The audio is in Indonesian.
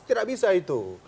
tidak bisa itu